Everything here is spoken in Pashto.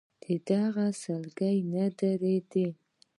د هغه سلګۍ نه درېدلې.